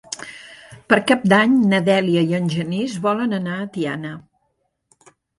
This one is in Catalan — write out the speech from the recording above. Per Cap d'Any na Dèlia i en Genís volen anar a Tiana.